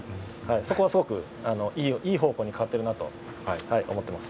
そこはすごく、いい方向に変わってるなと思ってます。